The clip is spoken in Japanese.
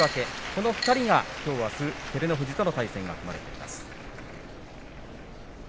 この２人がきょうあす照ノ富士との対戦が組まれています。